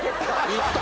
いった。